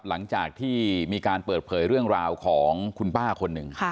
หลังจากที่มีการเปิดเผยเรื่องราวของคุณป้าคนหนึ่ง